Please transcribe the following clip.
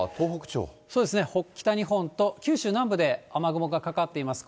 そうですね、北日本と九州南部で雨雲がかかっています。